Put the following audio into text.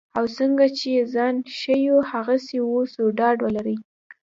او څنګه چې ځان ښیو هغسې اوسو ډاډ ولرئ.